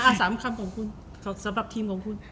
๓คำของคุณสำหรับทีมของคุณ